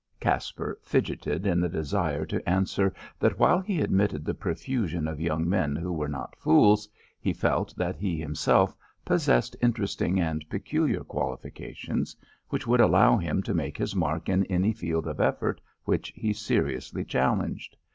Caspar fidgeted in the desire to answer that while he admitted the profusion of young men who were not fools, he felt that he himself possessed interesting and peculiar qualifications which would allow him to make his mark in any field of effort which he seriously challenged.